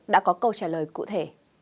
đã có câu trả lời cụ thể